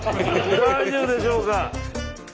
大丈夫でしょうか？